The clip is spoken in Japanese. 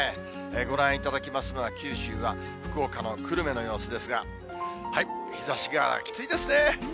ご覧いただきますのは、九州は福岡の久留米の様子ですが、日ざしがきついですね。